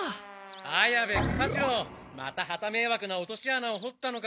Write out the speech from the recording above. ・綾部喜八郎またはためいわくなおとし穴をほったのか？